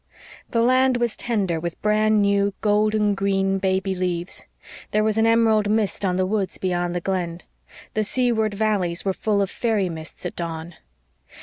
The land was tender with brand new, golden green, baby leaves. There was an emerald mist on the woods beyond the Glen. The seaward valleys were full of fairy mists at dawn.